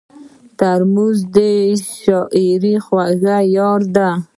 ترموز د شاعر خوږ یار دی.